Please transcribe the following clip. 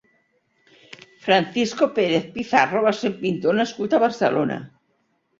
Francisco Pérez Pizarro va ser un pintor nascut a Barcelona.